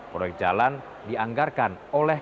proyek jalan dianggarkan oleh